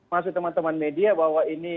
masuk teman teman media bahwa ini